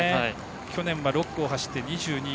去年は６区を走って２２位。